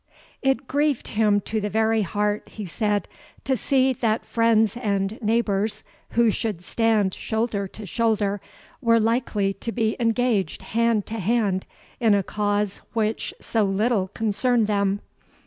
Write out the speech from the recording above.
"It grieved him to the very heart," he said, "to see that friends and neighbours, who should stand shoulder to shoulder, were likely to be engaged hand to hand in a cause which so little concerned them.